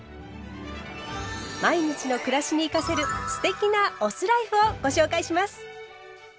毎日の暮らしに生かせる“酢テキ”なお酢ライフをご紹介します。